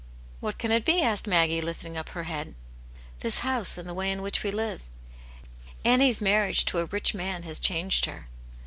"What can it be.^" asked Maggie, lifting up her head. " This house and the way in which we live. Annie's marriage to a rich man has changed her."